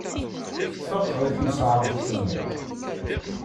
Faqeɣ i timseεreqt-nni.